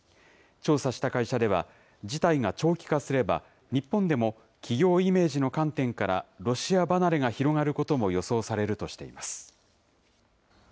調査した会社では、事態が長期化すれば、日本でも企業イメージの観点から、ロシア離れが広がることも予想されるとしています。